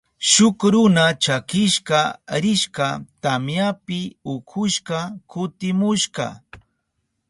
Shuk runa chakishka rishka tamyapi ukushka kutimushka.